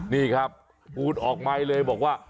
นี่ครับพูดออกไมค์เลยบอกว่า